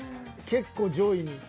結構上位に。